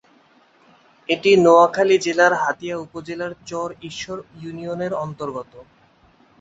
এটি নোয়াখালী জেলার হাতিয়া উপজেলার চর ঈশ্বর ইউনিয়ন এর অন্তর্গত।